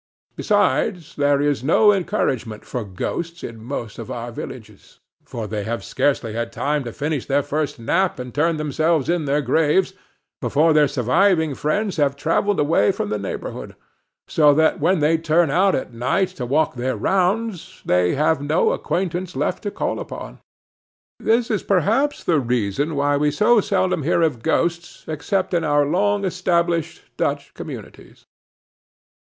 Besides, there is no encouragement for ghosts in most of our villages, for they have scarcely had time to finish their first nap and turn themselves in their graves, before their surviving friends have travelled away from the neighborhood; so that when they turn out at night to walk their rounds, they have no acquaintance left to call upon. This is perhaps the reason why we so seldom hear of ghosts except in our long established Dutch communities.